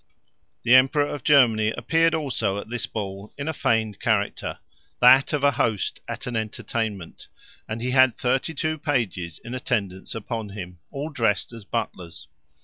The Emperor of Germany appeared also at this ball in a feigned character that of a host at an entertainment, and he had thirty two pages in attendance upon him, all dressed as butlers.